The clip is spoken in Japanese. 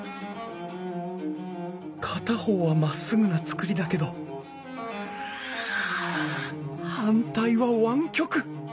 片方はまっすぐな造りだけど反対は湾曲。